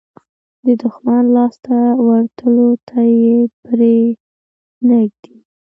د دښمن لاس ته ورتلو ته یې پرې نه ږدي.